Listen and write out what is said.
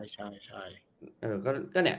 ใช่